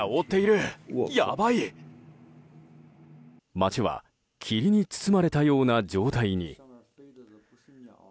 街は霧に包まれたような状態に。